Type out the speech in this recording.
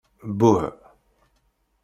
Buh!